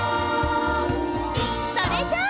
それじゃあ！